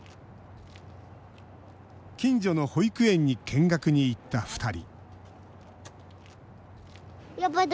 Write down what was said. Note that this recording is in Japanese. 近所の保育園に見学に行った２人